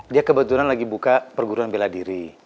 dia kebetulan lagi buka perguruan bela diri